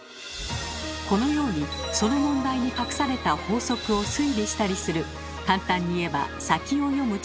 このようにその問題に隠された法則を推理したりする簡単に言えば先を読む力。